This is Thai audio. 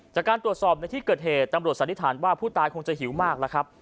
จากการตรวจสอบในที่เกิดเหตุตำรวจสันนิษฐานว่าผู้ตายคงจะหิวมากแล้วครับ